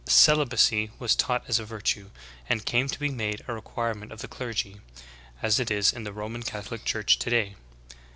Celibacy was taught as a virtue, and came to be made a requirement of the clergy, as it is in the Roman Catholic church today.